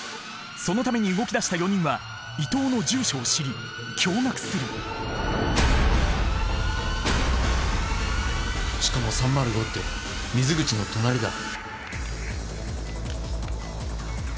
そのために動きだした４人は伊藤の住所を知り驚がくするしかも３０５って水口の隣だ。